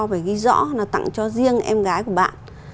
phải ghi rõ là tặng cho riêng em gái của bạn